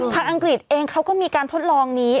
อังกฤษเองเขาก็มีการทดลองนี้